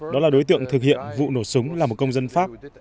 đó là đối tượng thực hiện vụ nổ súng là một công dân pháp